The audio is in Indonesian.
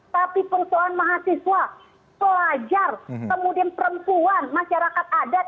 tapi persoalan mahasiswa pelajar kemudian perempuan masyarakat adat